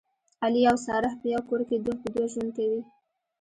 علي او ساره په یوه کور کې دوه په دوه ژوند کوي